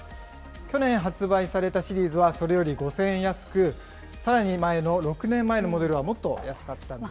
去年発売されたシリーズはそれより５０００円安く、さらに前の６年前のモデルはもっと安かったんです。